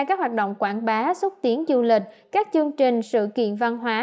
các chương trình du lịch các chương trình sự kiện văn hóa